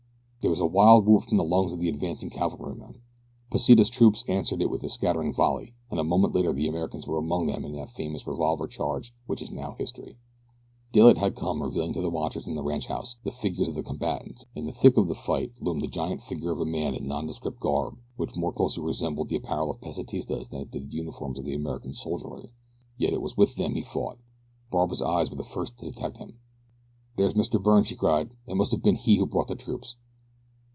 There was a wild whoop from the lungs of the advancing cavalrymen. Pesita's troops answered it with a scattering volley, and a moment later the Americans were among them in that famous revolver charge which is now history. Daylight had come revealing to the watchers in the ranchhouse the figures of the combatants. In the thick of the fight loomed the giant figure of a man in nondescript garb which more closely resembled the apparel of the Pesitistas than it did the uniforms of the American soldiery, yet it was with them he fought. Barbara's eyes were the first to detect him. "There's Mr. Byrne," she cried. "It must have been he who brought the troops."